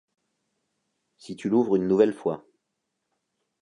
Si tu l'ouvres une nouvelle fois.